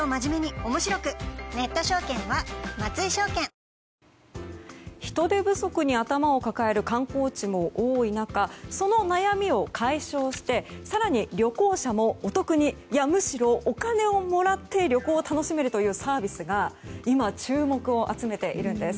こうした中人手不足の宿泊施設も助かって人手不足に頭を抱える観光地も多い中その悩みを解消して更に旅行者もお得にいや、むしろお金をもらって旅行を楽しめるというサービスが今、注目を集めているんです。